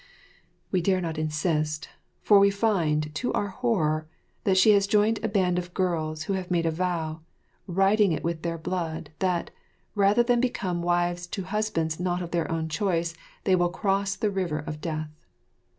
We dare not insist, for we find, to our horror, that she has joined a band of girls who have made a vow, writing it with their blood, that, rather than become wives to husbands not of their own choice, they will cross the River of Death.